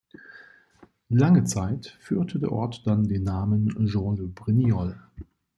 Lange Zeit führte der Ort dann den Namen "Camps-les-Brignoles".